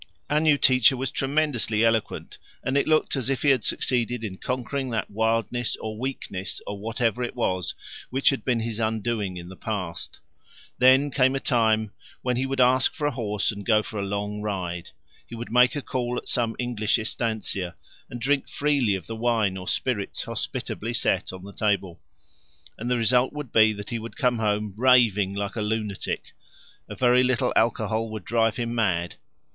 Our new teacher was tremendously eloquent, and it looked as if he had succeeded in conquering that wildness or weakness or whatever it was which had been his undoing in the past. Then came a time when he would ask for a horse and go for a long ride. He would make a call at some English estancia, and drink freely of the wine or spirits hospitably set on the table. And the result would be that he would come home raving like a lunatic: a very little alcohol would drive him mad.